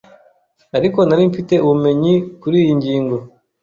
ariko nari mfite ubumenyi kuri iyi ngingo